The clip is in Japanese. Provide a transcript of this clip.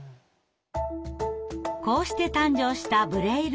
こうして誕生した「ブレイルノイエ」。